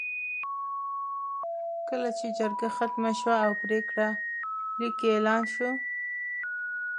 کله چې جرګه ختمه شوه او پرېکړه لیک یې اعلان شو.